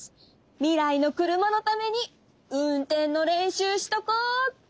未来の車のために運転の練習しとこうっと！